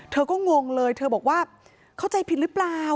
เธอก็งงเลยเธอบอกว่าเข้าใจผิดหรือเปล่า